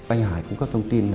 anh hải cung cấp thông tin